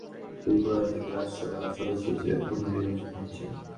স্বাভাবিক অঙ্কেই ঝর্ণা দাস বৈদ্য ত্রিপুরা থেকে রাজ্যসভার সদস্য হিসেবে পুনর্নির্বাচিত হচ্ছেন।